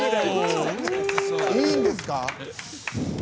いいんですか。